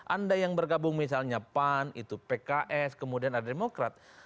anda yang bergabung misalnya pan itu pks kemudian ada demokrat